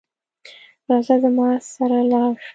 راځه زما سره لاړ شه